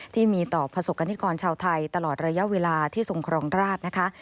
ที่มีต่อประสบกรณิกรชาวไทยตลอดระยะเวลาที่ทรงครองราชนะคะ